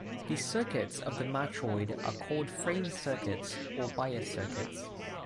The circuits of the matroid are called frame circuits or bias circuits.